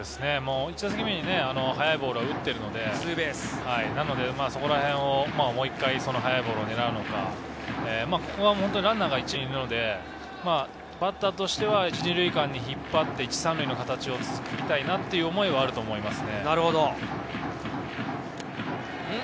１打席目に速いボールは打っているので、そこらへんをもう一回速いボールを狙うのか、ここはランナーが１塁にいるので、バッターとしては１・２塁間に引っ張って１・３塁の形を作りたいなという思いはあると思いますね。